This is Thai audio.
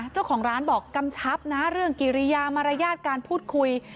เจ้าของร้านบอกกำชับนะเรื่องกิริยามารยาทการพูดคุย